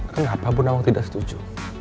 kenapa bu nawang tidak setuju